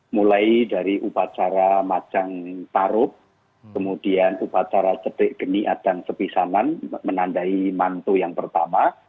mulai dari upacara macang tarub kemudian upacara cetek geniat dan sepisaman menandai manto yang pertama